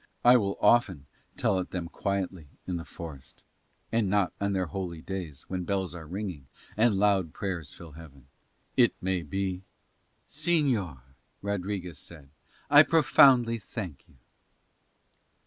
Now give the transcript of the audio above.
I will often tell it them quietly in the forest, and not on their holy days when bells are ringing and loud prayers fill Heaven. It may be ..." "Señor," Rodriguez said, "I profoundly thank you."